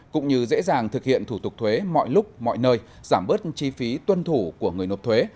cũng như dễ dàng thực hiện thủ tục thuế mọi lúc mọi nơi giảm bớt chi phí tuân thủ của người nộp thuế